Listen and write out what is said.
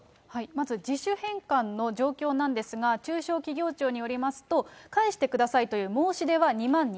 まず自主返還の状況なんですが、中小企業庁によりますと、返してくださいという申し出は２万２０００件。